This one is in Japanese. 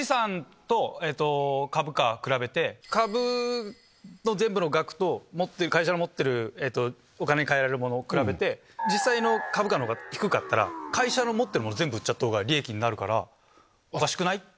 株の全部の額と会社の持ってるお金に換えられるものを比べて実際の株価の方が低かったら会社の持ってるもの売った方が利益になるからおかしい。